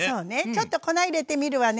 ちょっと粉入れてみるわね。